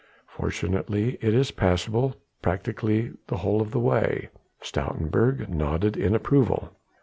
Fortunately it is passable practically the whole of the way." Stoutenburg nodded in approval.